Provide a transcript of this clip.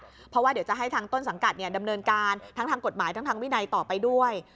เพราะว่าเดี๋ยวจะให้ทางต้นสังกัดดำเนินการทั้งทางกฎหมายทั้งทางวินัยต่อไปด้วย